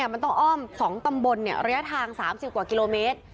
มันต้องอ้อม๒ตำบลระยะทาง๓๐กว่ากิโลเมตร